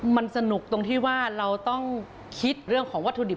มันสนุกตรงที่ว่าเราต้องคิดเรื่องของวัตถุดิบ